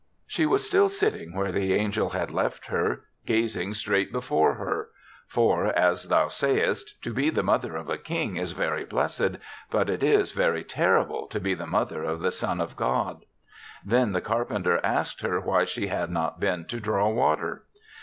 She was still sitting where the angel had left her, gazing straight before her; for, as thou sayest, to be the mother of a King is very blessed, but it is very terrible to be the mother of the son of God. Then the car penter asked her why she had not been to draw water.